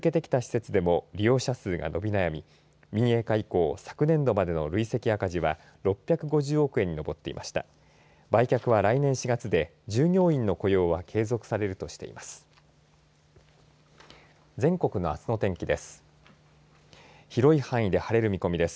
売却は、来年４月で従業員の雇用は継続されるとしています。